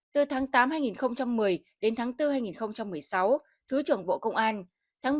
từ tháng tám một mươi đến tháng bốn một mươi sáu thứ trưởng bộ công an